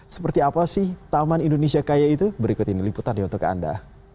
seperti apa sih taman indonesia kaya itu berikut ini liputannya untuk anda